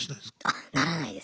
あならないです。